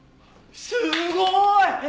すごい！